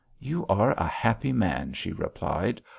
"You are a happy man," she replied.